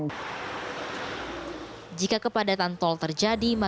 jika kepadatan tol terjadi maka perjalanan ke jalan tol tangerang merak akan berjalan dengan berat